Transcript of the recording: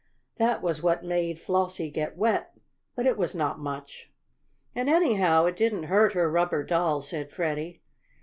That was what made Flossie get wet, but it was not much. "And, anyhow, it didn't hurt her rubber doll," said Freddie.